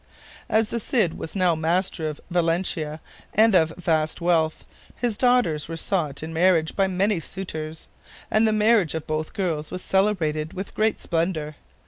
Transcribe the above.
As the Cid was now master of Valencia, and of vast wealth, his daughters were sought in marriage by many suitors, and the marriage of both girls was celebrated with great splendor.